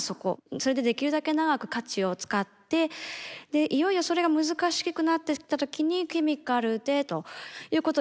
それでできるだけ長く価値を使ってでいよいよそれが難しくなってった時にケミカルでということになるんだと思います。